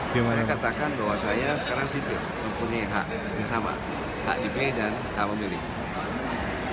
saya katakan bahwa saya sekarang siap mempunyai hak yang sama hak di b dan hak memilih